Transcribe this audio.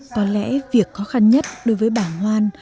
có lẽ việc khó khăn nhất đối với bà ngoan